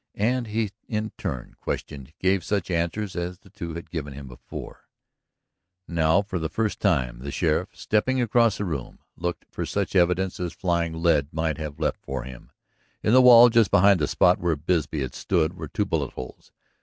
And he in turn questioned, gave such answers as the two had given before him. Now for the first time the sheriff, stepping across the room, looked for such evidence as flying lead might have left for him. In the wall just behind the spot where Bisbee had stood were two bullet holes.